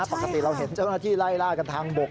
ปกติเราเห็นเจ้าหน้าที่ไล่ล่ากันทางบก